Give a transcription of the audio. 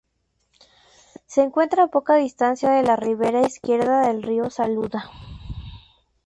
Se encuentra a poco distancia de la ribera izquierda del río Saluda.